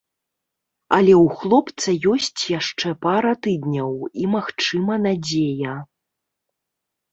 Але ў хлопца ёсць яшчэ пара тыдняў і, магчыма, надзея.